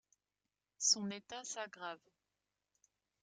Son état s'aggrave.